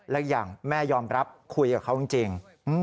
และอีกอย่างแม่ยอมรับคุยกับเขาจริง